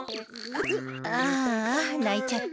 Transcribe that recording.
ああないちゃった。